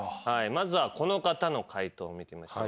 まずはこの方の解答を見てみましょう。